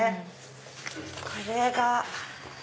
これが。